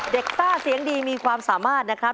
ต้าเสียงดีมีความสามารถนะครับ